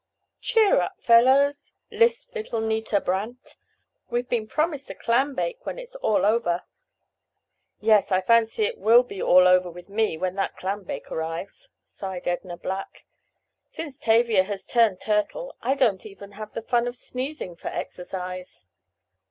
"Cheer up, fellows," lisped little Nita Brandt, "We've been promised a clam bake when it's all over." "Yes, I fancy it will be all over with me when that clam bake arrives," sighed Edna Black. "Since Tavia has 'turned turtle' I don't even have the fun of sneezing for exercise."